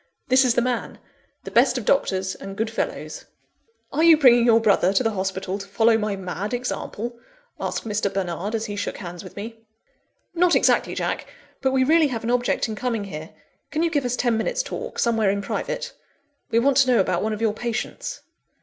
This is the man the best of doctors and good fellows." "Are you bringing your brother to the hospital to follow my mad example?" asked Mr. Bernard, as he shook hands with me. "Not exactly, Jack! But we really have an object in coming here. Can you give us ten minutes' talk, somewhere in private? We want to know about one of your patients."